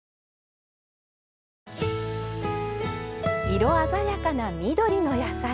色鮮やかな緑の野菜。